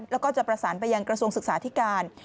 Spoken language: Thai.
แล้วก็จะประสานไปยังกระทรวงศึกษาธิการ